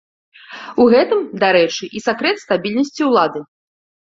У гэтым, дарэчы, і сакрэт стабільнасці ўлады.